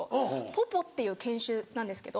ポポっていう犬種なんですけど。